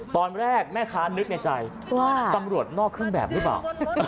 ตอนแรกแม่ค้านึกในใจว่าตำรวจนอกเครื่องแบบหรือเปล่า